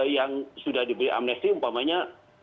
yang sudah diberi amnesti umpamanya